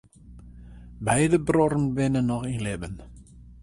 Beide bruorren binne noch yn libben.